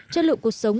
chất lượng cuộc sống